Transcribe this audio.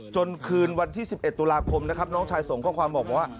คืนวันที่๑๑ตุลาคมนะครับน้องชายส่งข้อความบอกว่า